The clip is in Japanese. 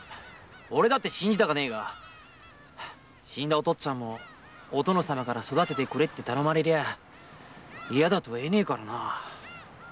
俺だって信じたくねえが死んだお父っつぁんもお殿様から「育ててくれ」って頼まれりゃ嫌と言えねえからな。